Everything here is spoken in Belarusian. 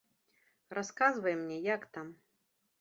Расказвай мне, як там.